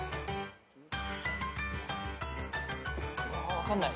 分かんない。